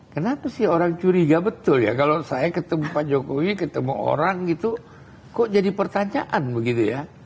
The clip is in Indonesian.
kenapa sih orang curiga betul ya kalau saya ketemu pak jokowi ketemu orang gitu kok jadi pertanyaan begitu ya